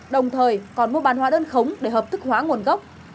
đồng thời còn mua bán hóa đơn khống để hợp thức hóa nguồn gốc